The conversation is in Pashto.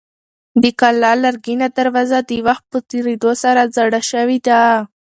د کلا لرګینه دروازه د وخت په تېرېدو سره زړه شوې ده.